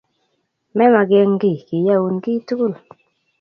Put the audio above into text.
Me magen kiy, kiyaun kit tugul.